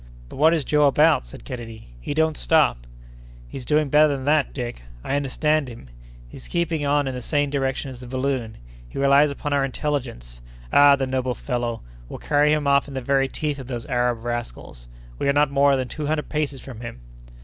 "But what is Joe about?" said Kennedy; "he don't stop!" "He's doing better than that, Dick! I understand him! He's keeping on in the same direction as the balloon. He relies upon our intelligence. Ah! the noble fellow! We'll carry him off in the very teeth of those Arab rascals! We are not more than two hundred paces from him!"